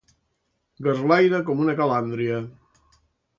Garlaire com una calàndria.